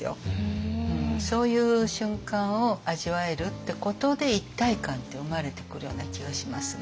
そういう瞬間を味わえるってことで一体感って生まれてくるような気がしますね。